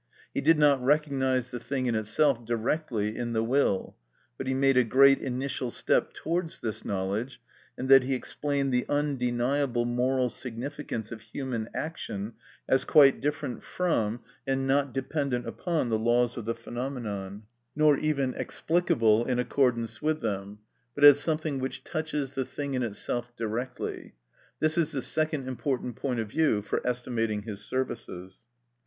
He did not recognise the thing in itself directly in the will; but he made a great initial step towards this knowledge in that he explained the undeniable moral significance of human action as quite different from and not dependent upon the laws of the phenomenon, nor even explicable in accordance with them, but as something which touches the thing in itself directly: this is the second important point of view for estimating his services.